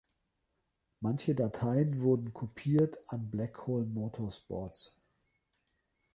Manche Dateien wurden kopiert an Blackhole Motorsports.